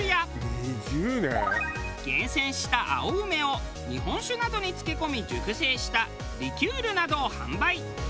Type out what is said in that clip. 厳選した青梅を日本酒などに漬け込み熟成したリキュールなどを販売。